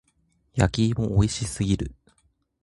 焼き芋美味しすぎる。